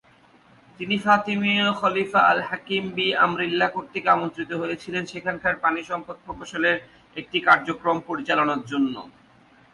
তিনি ফাতিমীয় খলিফা আল হাকিম বি-আমরিল্লাহ কর্তৃক আমন্ত্রিত হয়েছিলেন সেখানকার পানিসম্পদ প্রকৌশল এর একটি কার্যক্রম পরিচালনার জন্য।